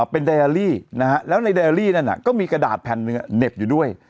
เป็นไดอารี่นะฮะแล้วในแดรี่นั่นก็มีกระดาษแผ่นหนึ่งเหน็บอยู่ด้วย